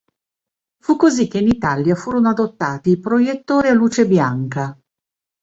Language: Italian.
Fu così che in Italia furono adottati i proiettori a luce bianca.